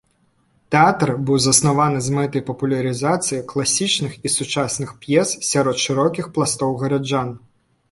Тэатр быў заснаваны з мэтай папулярызацыі класічных і сучасных п'ес сярод шырокіх пластоў гараджан.